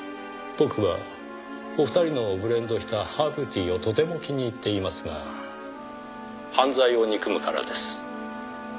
僕はお二人のブレンドしたハーブティーをとても気に入っていますが犯罪を憎むからです。